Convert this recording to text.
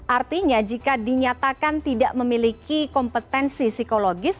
artinya jika dinyatakan tidak memiliki kompetensi psikologis